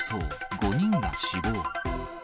５人が死亡。